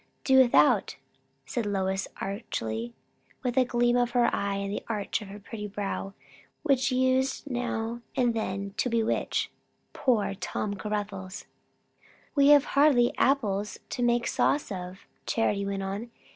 "Do without," said Lois archly, with the gleam of her eye and the arch of her pretty brow which used now and then to bewitch poor Tom Caruthers. "We have hardly apples to make sauce of," Charity went on.